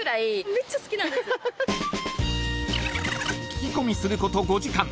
［聞き込みすること５時間］